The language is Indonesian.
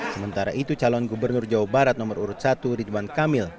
sementara itu calon gubernur jawa barat nomor urut satu ridwan kamil